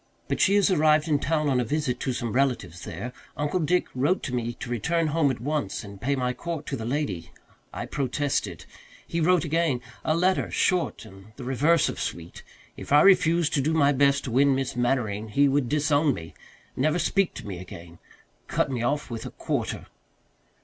But she has arrived in town on a visit to some relatives there. Uncle Dick wrote to me to return home at once and pay my court to the lady; I protested. He wrote again a letter, short and the reverse of sweet. If I refused to do my best to win Miss Mannering he would disown me never speak to me again cut me off with a quarter.